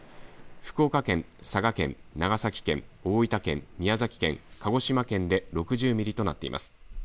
福岡県、佐賀県、長崎県大分県、宮崎県、鹿児島県で６０ミリとなっています。